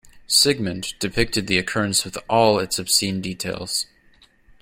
Sigmund depicted the occurrence with all its obscene details.